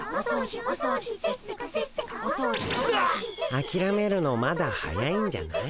あきらめるのまだ早いんじゃない？